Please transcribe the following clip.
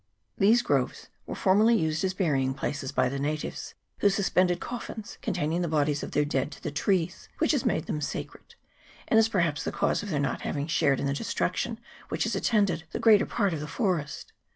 These groves were formerly used as bury ing places by the natives, who suspended coffins containing the bodies of their dead to the trees, which has made them sacred, and is perhaps the cause of their not having shared in the destruction which has attended the greater part of the forest.